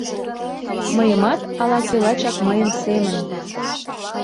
Мыйымат ала-кӧ лачак мыйын семын